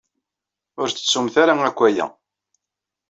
Ur ttettumt ara akk aya.